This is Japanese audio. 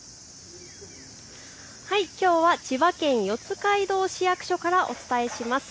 きょうは千葉県四街道市役所からお伝えします。